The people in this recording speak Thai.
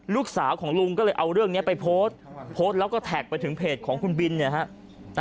ลูกสาวของลุงก็เลยเอาเรื่องนี้ไปโพสต์โพสต์แล้วก็แท็กไปถึงเพจของคุณบินเนี่ยฮะ